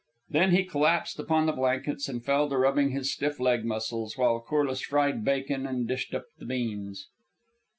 Then he collapsed upon the blankets and fell to rubbing his stiff leg muscles while Corliss fried bacon and dished up the beans.